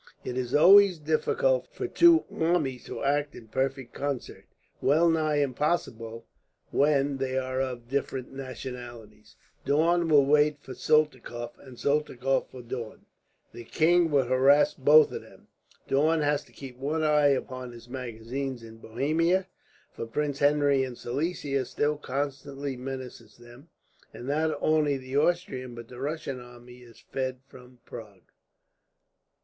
It is always difficult for two armies to act in perfect concert, well nigh impossible when they are of different nationalities. Daun will wait for Soltikoff and Soltikoff for Daun. The king will harass both of them. Daun has to keep one eye upon his magazines in Bohemia, for Prince Henry in Silesia still constantly menaces them, and not only the Austrian but the Russian army is fed from Prague.